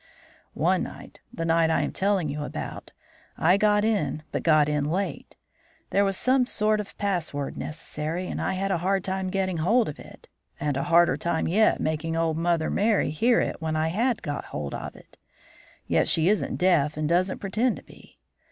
"One night the night I am telling you about I got in, but got in late. There was some sort of password necessary, and I had a hard time getting hold of it, and a harder time yet making old Mother Merry hear it when I had got hold of it. Yet she isn't deaf and doesn't pretend to be.